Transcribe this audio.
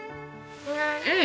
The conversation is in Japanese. うん。